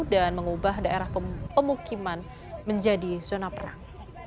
dan mengubah daerah pemukiman menjadi zona perang